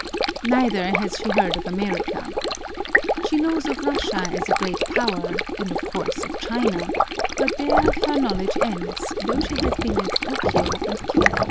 Neither has she heard of America. She knows of Russia as a great power, and, of course, of China, but there her knowledge ends, though she has been at Tôkiyô and Kiyotô.